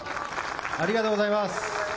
ありがとうございます。